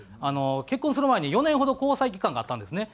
結婚する前に４年ほど交際期間があったんですね。